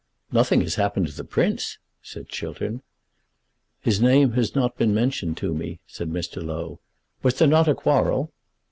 "Nothing has happened to the Prince?" said Chiltern. "His name has not been mentioned to me," said Mr. Low. "Was there not a quarrel?"